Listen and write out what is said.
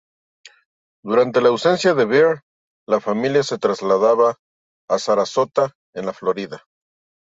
Durante la ausencia de Bird, la familia se traslada a Sarasota en la Florida.